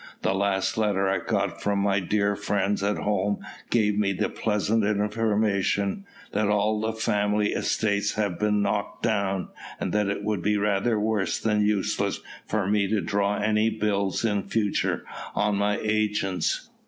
The last letter I got from my dear friends at home gave me the pleasant information that all the family estates have been knocked down, and that it would be rather worse than useless for me to draw any bills in future on my agents.